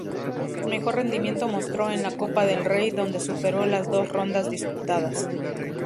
Mejor rendimiento mostró en la Copa del Rey, donde superó las dos rondas disputadas.